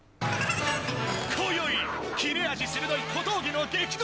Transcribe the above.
こよい、切れ味鋭い小峠の激動